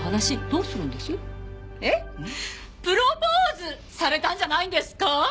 プロポーズされたんじゃないんですか？